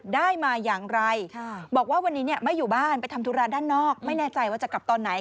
ด้านนอกไม่แน่ใจว่าจะกลับตอนไหน